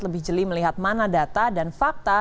lebih jeli melihat mana data dan fakta